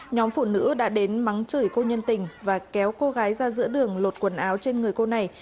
nhóm phụ nữ đã đến mắng chửi cô nhân tình và kéo cô gái ra giữa đường lột quần áo trên người cô này